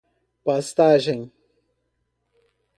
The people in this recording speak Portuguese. pastagem